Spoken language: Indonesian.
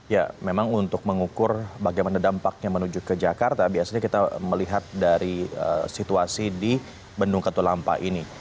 ya memang untuk mengukur bagaimana dampaknya menuju ke jakarta biasanya kita melihat dari situasi di bendung katulampa ini